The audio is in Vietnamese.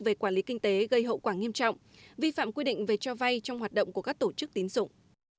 về quản lý kinh tế gây hậu quả nghiêm trọng vi phạm quy định về cho vay trong hoạt động của các tổ chức tín dụng